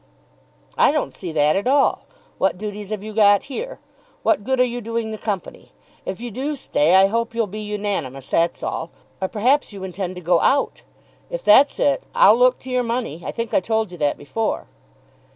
"I don't see that at all. What duties have you got here? What good are you doing the Company? If you do stay, I hope you'll be unanimous; that's all; or perhaps you intend to go out. If that's it, I'll look to your money. I think I told you that before."